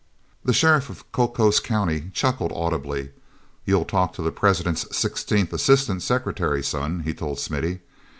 The sheriff of Cocos County chuckled audibly. "You'll talk to the president's sixteenth assistant secretary, son," he told Smithy.